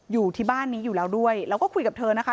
อยู่ที่บ้านนี้อยู่แล้วด้วยแล้วก็คุยกับเธอนะคะ